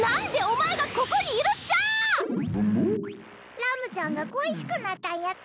ラムちゃんが恋しくなったんやて。